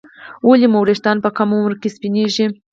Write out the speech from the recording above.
ولې مو ویښتان په کم عمر کې سپینېږي